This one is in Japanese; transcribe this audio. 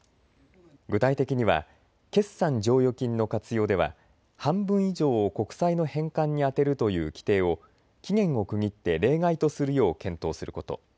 具体的には決算剰余金の活用では半分以上を国債の返還に充てるという規定を期限を区切って例外とするよう検討すること。